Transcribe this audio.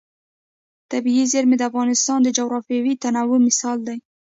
طبیعي زیرمې د افغانستان د جغرافیوي تنوع مثال دی.